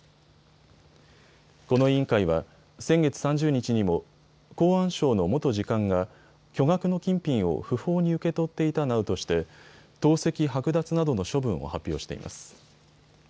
この委員会は先月３０日にも公安省の元次官が巨額の金品を不法に受け取っていたなどとして党籍剥奪などの処分を発表しています。